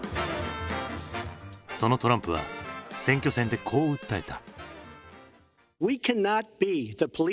そのトランプは選挙戦でこう訴えた。